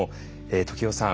時男さん。